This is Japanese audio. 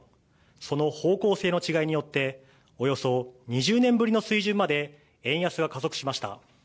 その方向性の違いによって、およそ２０年ぶりの水準まで円安が加速しました。